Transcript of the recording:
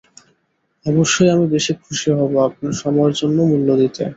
অবশ্যই, আমি বেশি খুশি হবো আপনার সময়ের জন্য মূল্য দিতে।